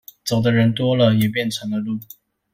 走的人多了，也便成了路